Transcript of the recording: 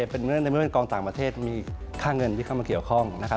เป็นเมื่อเป็นกองต่างประเทศมีค่าเงินที่เข้ามาเกี่ยวข้อง